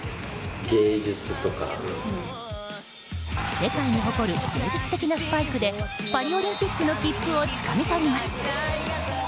世界に誇る芸術的なスパイクでパリオリンピックの切符をつかみ取ります。